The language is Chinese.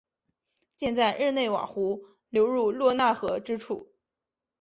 建在日内瓦湖流入罗讷河之处。